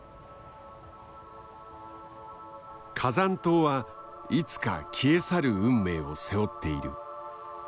火山島はいつか消え去る運命を背負っている。